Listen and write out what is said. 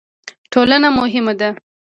ټولنه مهمه ده.